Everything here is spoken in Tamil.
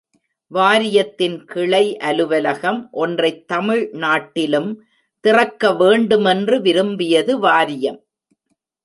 வாரியத்தின் கிளை அலுவலகம் ஒன்றைத் தமிழ் நாட்டிலும் திறக்க வேண்டுமென்று விரும்பியது வாரியம்!